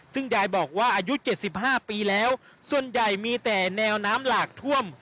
ซึ่งยายบอกว่าอายุ๗๕ปีแล้วส่วนใหญ่มีแต่แนวน้ำหลากท่วม